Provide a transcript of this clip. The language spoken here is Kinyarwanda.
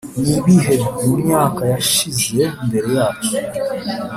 nibihe, mumyaka yashize mbere yacu,